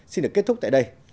xin được kết thúc tại đây